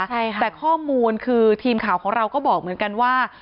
ใช่ค่ะแต่ข้อมูลคือทีมข่าวของเราก็บอกเหมือนกันว่า